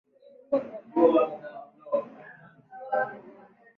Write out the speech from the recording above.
vyombo vya habari vilikuwa ni vyombo vya utumishi wa umma